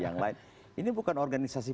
yang lain ini bukan organisasi